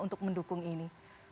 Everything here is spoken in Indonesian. untuk mendukung ini